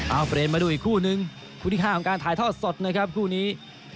เอาเฟรนมาดูอีกคู่นึงคู่ที่๕ของการถ่ายทอดสดนะครับคู่นี้